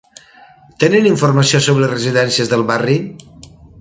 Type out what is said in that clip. Tenen informació sobre les residències del barri?